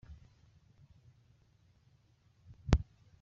Ariko nyamara ibyo ntibibuza Imana kwitwa Imana.